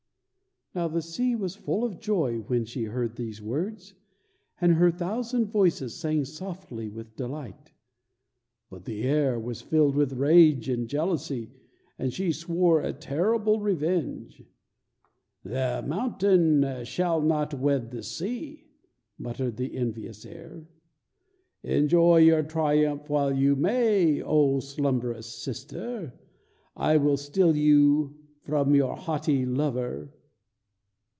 Now the sea was full of joy when she heard these words, and her thousand voices sang softly with delight. But the air was filled with rage and jealousy, and she swore a terrible revenge. "The mountain shall not wed the sea," muttered the envious air. "Enjoy your triumph while you may, O slumberous sister; I will steal you from your haughty lover!"